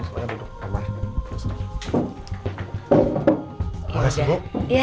terima kasih bu